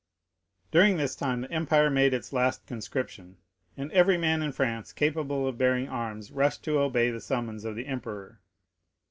During this time the empire made its last conscription, and every man in France capable of bearing arms rushed to obey the summons of the emperor.